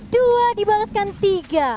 dua dibalaskan tiga